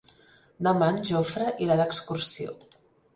Demà en Jofre irà d'excursió.